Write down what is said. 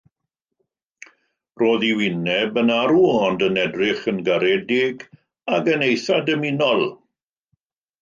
Roedd ei wyneb yn arw, ond yn edrych yn garedig ac yn eithaf dymunol.